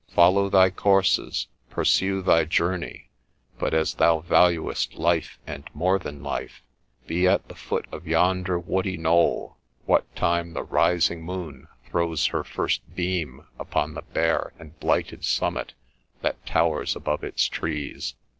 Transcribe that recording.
Follow thy courses ; pursue thy journey ; but as thou valuest life and more than life, be at the foot of yonder woody knoll what time the rising moon throws her first beam upon the bare and blighted summit that towers above its trees.'